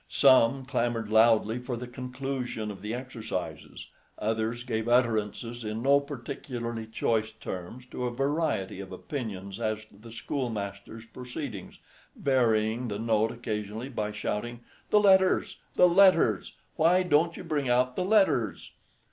Some clamored loudly for the conclusion of the exercises; others gave utterances in no particularly choice terms to a variety of opinions as to the schoolmaster's proceedings, varying the note occasionally by shouting, "The letters! the letters! why don't you bring out the letters?"